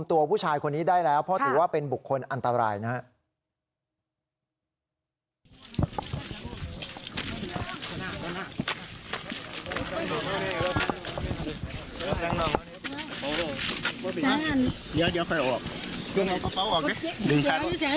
ตัวผู้ชายคนนี้ได้แล้วเพราะถือว่าเป็นบุคคลอันตรายนะครับ